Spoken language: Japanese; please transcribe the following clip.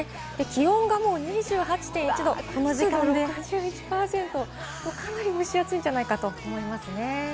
気温がすでに２８．１度、湿度６１％、かなり蒸し暑いんじゃないかと思いますね。